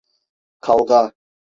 Kavga!